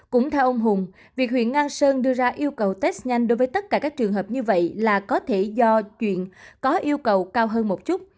cũng theo ông hùng việc huyện nga sơn đưa ra yêu cầu test nhanh đối với tất cả các trường hợp như vậy là có thể do chuyện có yêu cầu cao hơn một chút